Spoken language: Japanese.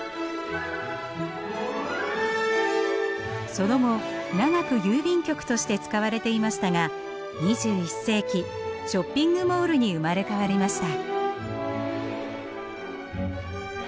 その後長く郵便局として使われていましたが２１世紀ショッピングモールに生まれ変わりました。